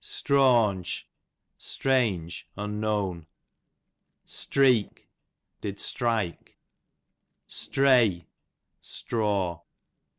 Strawnge, strange, unknown. Streek, did strike. Strey, straw.